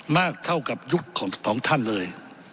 มากเท่ากับยุคของท่านเลย